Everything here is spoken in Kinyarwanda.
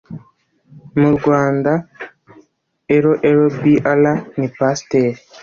MU RWANDA L L B R ni Pasiteri